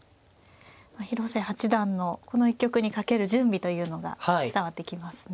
広瀬八段のこの一局に懸ける準備というのが伝わってきますね。